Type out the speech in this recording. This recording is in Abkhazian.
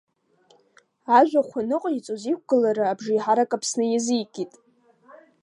Ажәахә аныҟаиҵоз иқәгылара абжеиҳарак Аԥсны иазикит.